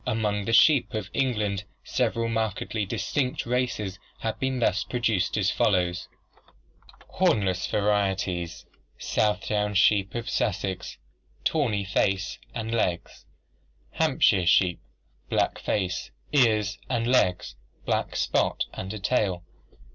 Among the sheep of England several markedly distinct races have been thus produced, as follows: Hornless varieties: Southdown sheep of Sussex, tawny face and legs. 130 ORGANIC EVOLUTION Hampshire sheep, black face, ears, and legs, black spot undef tail.